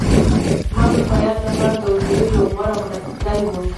دا د اروپایانو لپاره د اوسېدو یو غوره او مناسب ځای و.